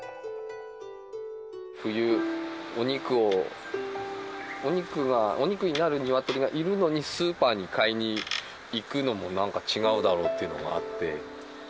冬、お肉を、お肉になる鶏がいるのに、スーパーに買いにいくのも、なんか違うだろうっていうのがあって。